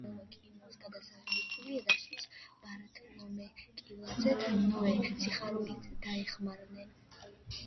შეაგროვა კინოს გადასაღები ფული, რაშიც ბართლომე კილაძე და ნოე სიხარულიძე დაეხმარნენ.